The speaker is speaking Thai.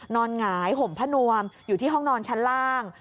หงายห่มพนวมอยู่ที่ห้องนอนชั้นล่าง